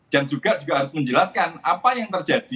dan juga harus menjelaskan apa yang terjadi